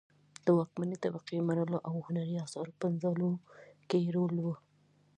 د واکمنې طبقې مړولو او هنري اثارو پنځولو کې یې رول و